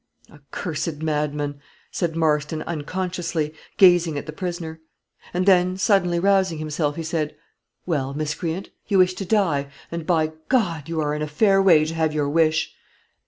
"Accursed madman," said Marston unconsciously, gazing at the prisoner; and then suddenly rousing himself, he said, "Well, miscreant, you wish to die, and, by , you are in a fair way to have your wish."